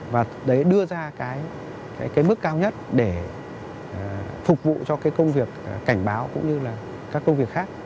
và đấy đưa ra cái mức cao nhất để phục vụ cho cái công việc cảnh báo cũng như là các công việc khác